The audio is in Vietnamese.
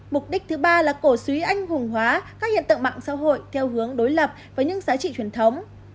mục đích thứ ba là cổ suý anh hùng hóa các hiện tượng mạng xã hội theo hướng đối lập với những giá trị truyền thống